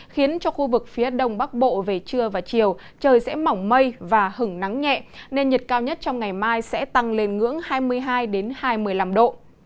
khiến cho khu vực phía đông bắc bộ về trưa và chiều trời sẽ mỏng mây và hứng nắng nhẹ nên nhiệt cao nhất trong ngày mai sẽ tăng lên ngưỡng hai mươi hai hai mươi năm độ